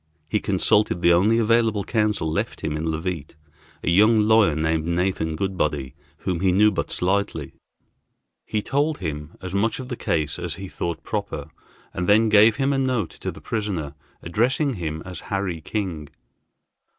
He consulted the only available counsel left him in Leauvite, a young lawyer named Nathan Goodbody, whom he knew but slightly. He told him as much of the case as he thought proper, and then gave him a note to the prisoner, addressing him as Harry King.